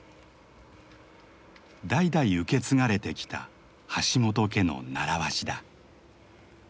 代々受け継がれてきた橋本家の習わしだ。